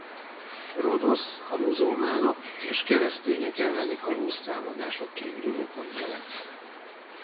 Rodosz a muzulmánok és keresztények elleni kalóztámadások kiindulópontja lett.